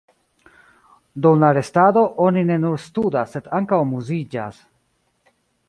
Dum la restado, oni ne nur studas, sed ankaŭ amuziĝas.